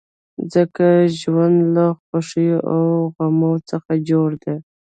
ځکه ژوند له خوښیو او غمو څخه جوړ دی.